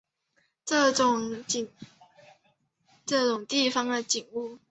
这种地方景物